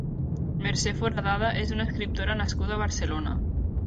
Mercè Foradada és una escriptora nascuda a Barcelona.